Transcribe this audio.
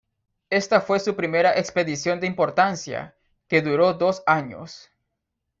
Esta fue su primera expedición de importancia, que duró dos años.